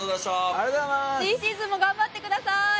新シーズンも頑張ってください。